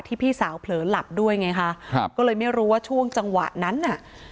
พี่สาวเผลอหลับด้วยไงคะครับก็เลยไม่รู้ว่าช่วงจังหวะนั้นน่ะ